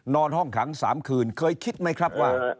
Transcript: นอนห้องขัง๓คืนเคยคิดไหมครับว่า